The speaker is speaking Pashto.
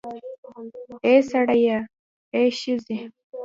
اې سړیه, آ ښځې